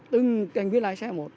từng anh viên lái xe một